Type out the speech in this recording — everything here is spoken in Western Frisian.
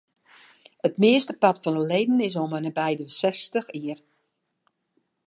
It meastepart fan de leden is om ende by de sechstich jier.